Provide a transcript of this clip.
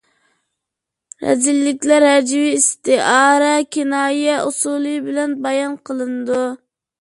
رەزىللىكلەر ھەجۋىي، ئىستىئارە، كىنايە ئۇسۇلى بىلەن بايان قىلىنىدۇ.